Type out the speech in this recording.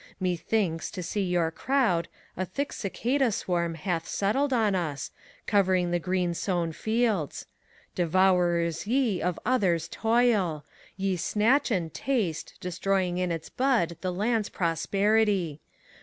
Methinks, to see your crowd, a thick cicada swarm Hath settled on us, covering the green sown fields. Devourers ye of others' toil ! Ye snatch and taste. Destroying in its bud the land's prosperity!